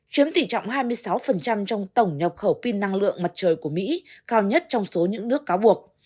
chiếm tỷ trọng hai mươi sáu trong tổng nhập khẩu pin năng lượng mặt trời của mỹ cao nhất trong số những nước cáo buộc